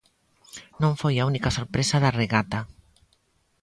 Non foi a única sorpresa da regata.